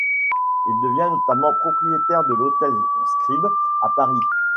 Il devient notamment propriétaire de l'hôtel Scribe, à Paris.